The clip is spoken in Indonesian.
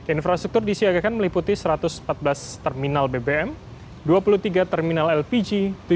infrastruktur disiagakan meliputi satu ratus empat belas terminal bbm dua puluh tiga terminal lpg